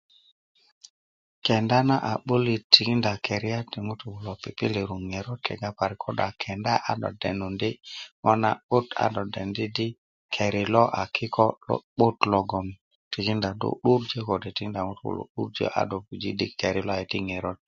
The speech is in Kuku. kenda na a 'bulit tikinda keriyat ti ŋutuu kulo pipilata ŋerot 'bo kega parik ko do a kenda a do denundi ŋo na'but a do dendi di keri lo a kiko lo'but logon tikinda do i'durjö kode tikinda ŋutu kulo i 'durjö a puji di keri lo ayiti ŋerot